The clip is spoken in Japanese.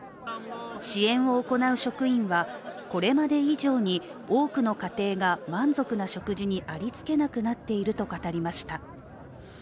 支援を行う職員は、これまで以上に多くの家庭が満足な食事にありつけなくなっていると語りました。